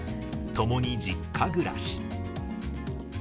ともに実家暮らし。